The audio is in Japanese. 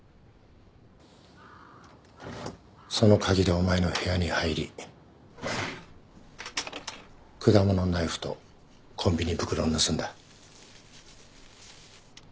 その鍵でお前の部屋に入り果物ナイフとコンビニ袋を盗んだ。